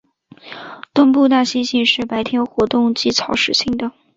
东部大猩猩是白天活动及草食性的。